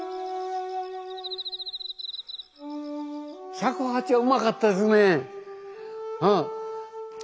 尺八はうまかったですねうん。